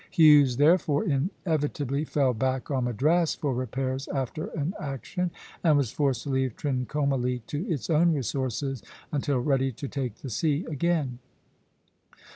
Hughes, therefore, inevitably fell back on Madras for repairs after an action, and was forced to leave Trincomalee to its own resources until ready to take the sea again.